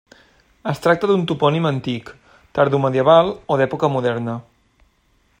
Es tracta d'un topònim antic, tardomedieval o d'època moderna.